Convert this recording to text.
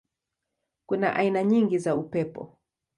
Kuna aina nyingi za upepo.